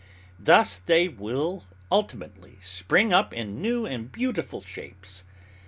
Thus they will ultimately spring up in new and beautiful shapes.